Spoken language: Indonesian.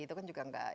itu kan juga enggak